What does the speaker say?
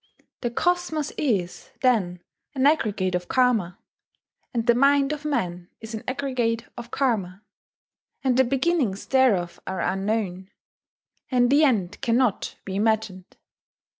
The cosmos is, then, an aggregate of Karma; and the mind of man is an aggregate of Karma; and the beginnings thereof are unknown, and the end cannot be imagined.